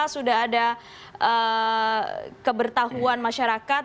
sudah ada keberitahuan masyarakat